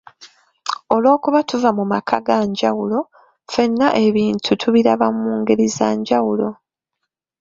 Olw'okuba tuva mu maka ga njawulo, ffenna ebintu tubiraba mu ngeri za njawulo.